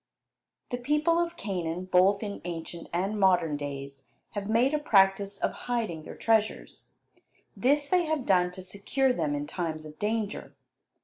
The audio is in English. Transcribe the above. The people of Canaan, both in ancient and modern days, have made a practice of hiding their treasures. This they have done to secure them in times of danger.